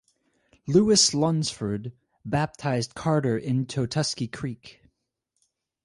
Lewis Lunsford baptised Carter in Totuskey Creek.